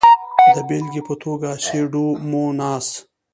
د بېلګې په توګه سیوډوموناس.